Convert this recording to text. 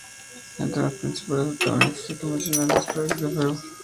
Entre los principales protagonistas, hay que mencionar a los "Croix-de-feu".